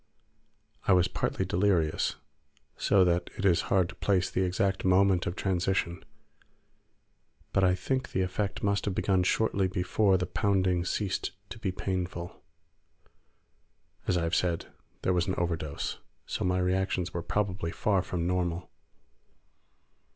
I was partly delirious, so that it is hard to place the exact moment of transition, but I think the effect must have begun shortly before the pounding ceased to be painful. As I have said, there was an overdose; so my reactions were probably far from normal.